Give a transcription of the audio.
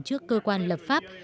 trước cơ quan lập pháp